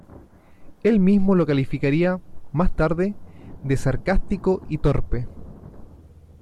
Él mismo lo calificaría, más tarde, de "sarcástico y torpe".